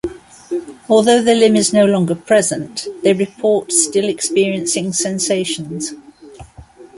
Although the limb is no longer present, they report still experiencing sensations.